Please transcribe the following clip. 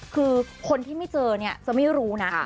คือคนที่ไม่เจอเนี่ยจะไม่รู้นะ